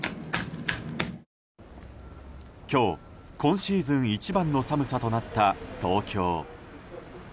今日、今シーズン一番の寒さとなった東京。